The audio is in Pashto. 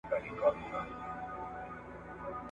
ورځ په ورځ دي شواخون درته ډېرېږی ,